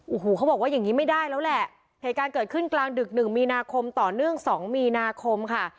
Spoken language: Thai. โอ้โหเขาบอกว่าอย่างนี้ไม่ได้แล้วแหละเหตุการณ์เกิดขึ้นกลางดึกหนึ่งมีนาคมต่อเนื่องสองมีนาคมค่ะ